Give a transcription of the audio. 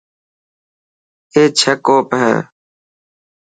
اي ڇهه ڪوپ هي.